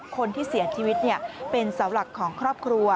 คนที่เสียชีวิตเป็นเสาหลักของครอบครัว